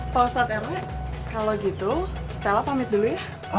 pak ustadz erw kalau gitu stella pamit dulu ya